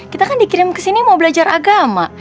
kita kan dikirim kesini mau belajar agama